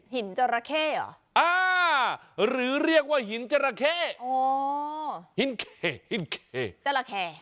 หินเขอ่าหรือเรียกว่าหินเจราะแคร์หินเขเจราะแคร์